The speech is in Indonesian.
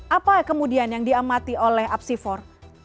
apa kemudian yang diamati oleh apsifor